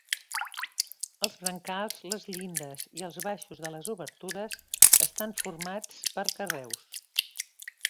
Els brancals, les llindes, i els baixos de les obertures estan formats per carreus.